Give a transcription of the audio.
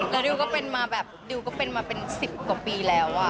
แล้วดิวก็เป็นมาแบบดิวก็เป็นมาเป็น๑๐กว่าปีแล้ว